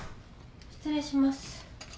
・失礼します。